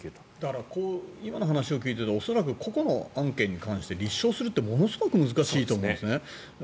だから、今の話を聞いていると恐らく個々の案件について立証するってものすごく難しいと思うんですね。